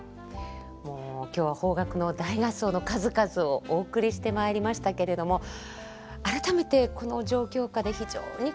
もう今日は邦楽の大合奏の数々をお送りしてまいりましたけれども改めてこの状況下で非常に新鮮に受け止めました。